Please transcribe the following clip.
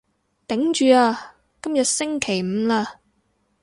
頂住啊，今日星期五喇